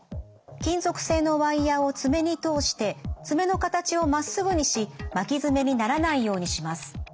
金属製のワイヤーを爪に通して爪の形をまっすぐにし巻き爪にならないようにします。